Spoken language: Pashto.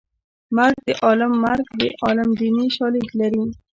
مرګ د عالم مرګ د عالم دیني شالید لري